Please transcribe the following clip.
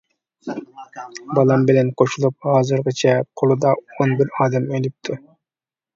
بالام بىلەن قوشۇلۇپ ھازىرغىچە قولىدا ئون بىر ئادەم ئۆلۈپتۇ.